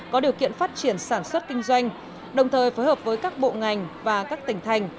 có điều kiện phát triển sản xuất kinh doanh đồng thời phối hợp với các bộ ngành và các tỉnh thành